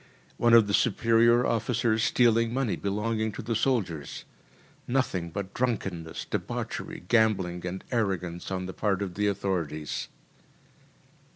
One of the superior officers stealing money belonging to the soldiers. Nothing but drunkenness, debauchery, gambling, and arrogance on the part of the authorities.